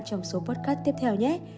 trong số podcast tiếp theo nhé